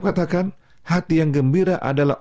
katakan hati yang gembira adalah